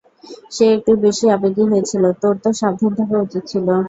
সে একটু বেশি আবেগী হয়েছিল, তোর তো সাবধান থাকা উচিত ছিল।